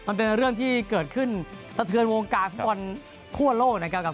มันเป็นเรื่องที่เกิดขึ้นสะเทือนวงการฟุตบอลทั่วโลกนะครับ